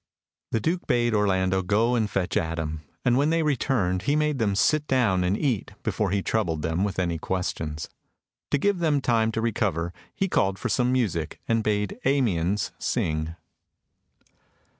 The Duke bade Orlando go and fetch Adam, and when they returned he made them sit down and eat before he troubled them with any questions. To give them time to recover, he called for some music, and bade Amiens sing.